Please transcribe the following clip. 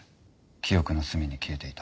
記憶の隅に消えていた。